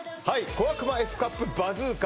「小悪魔Ｆカップバズーカ」